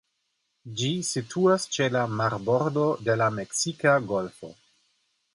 Ĝi situas ĉe la marbordo de la Meksika Golfo.